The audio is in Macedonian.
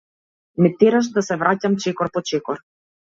Ме тераш да се враќам чекор по чекор.